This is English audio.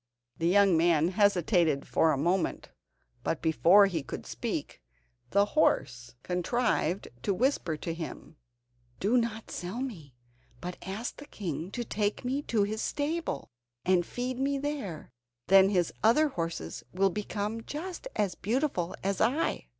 The young man hesitated for a moment, but before he could speak, the horse contrived to whisper to him: "Do not sell me, but ask the king to take me to his stable, and feed me there; then his other horses will become just as beautiful as I."